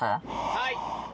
はい。